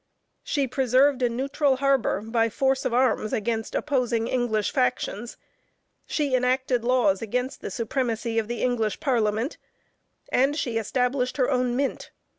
She preserved a neutral harbor by force of arms against opposing English factions; she enacted laws against the supremacy of the English parliament, and she established her own mint.